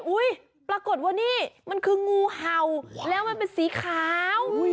ปรากฏว่านี่มันคืองูเห่าแล้วมันเป็นสีขาว